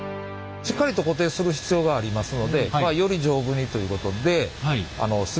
しっかりと固定する必要がありますのでより丈夫にということではあへえ。